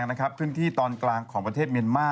สนับสนุนโดยดีที่สุดคือการให้ไม่สิ้นสุด